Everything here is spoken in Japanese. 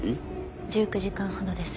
１９時間ほどです。